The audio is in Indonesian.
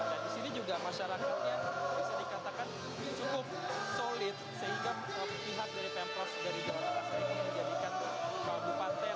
dan disini juga masyarakatnya bisa dikatakan cukup solid sehingga pihak dari pempros dari kabupaten brebes ini dijadikan kabupaten